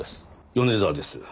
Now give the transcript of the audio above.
米沢です。